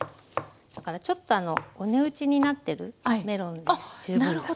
だからちょっとあのお値打ちになってるメロンで十分だと。